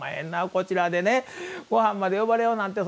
こちらでごはんまで呼ばれようなんて。